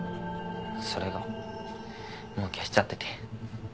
それがもう消しちゃってて。